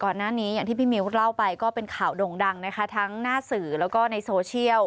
อย่างที่พี่มิวเล่าไปก็เป็นข่าวด่งดังนะคะทั้งหน้าสื่อแล้วก็ในโซเชียล